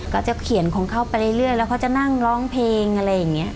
ก็จะเขียนของเขาไปเรื่อยแล้วเขาจะนั่งร้องเพลงอะไรอย่างนี้